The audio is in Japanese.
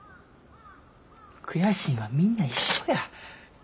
悔しいのはみんな一緒や。